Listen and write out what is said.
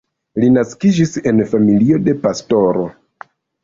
Li naskiĝis en familio de pastoro.